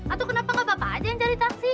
atau kenapa gak bapak aja yang cari taksi